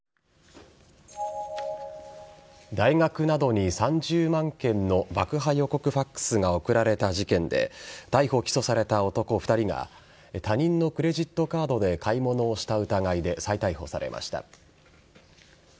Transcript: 大学などに３０万件の爆破予告ファックスが送られた事件で逮捕・起訴された男２人が他人のクレジットカードで買い物をした疑いで再逮捕されました。